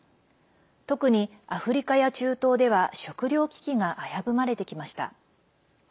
特に、アフリカや中東では食料危機が危ぶまれてきました。